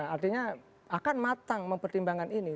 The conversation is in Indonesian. artinya akan matang mempertimbangkan ini